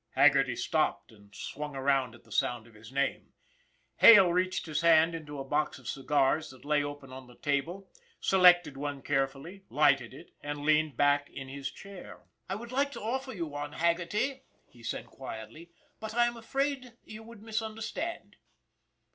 Haggerty stopped and swung around at the sound of his name. Hale reached his hand into a box of cigars that lay open on the table, selected one carefully, lighted it, and leaned back in his chair. " I would like to offer 266 ON THE IRON AT BIG CLOUD you one, Haggerty," he said quietly, " but I am afraid you would misunderstand."